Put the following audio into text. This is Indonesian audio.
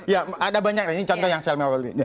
ya ada banyak ini contoh yang sel mewah ini